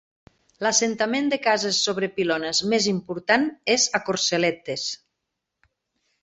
L'assentament de cases sobre pilones més important és a Corcelettes.